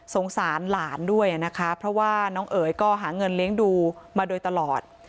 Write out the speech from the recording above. สารหลานด้วยนะคะเพราะว่าน้องเอ๋ยก็หาเงินเลี้ยงดูมาโดยตลอด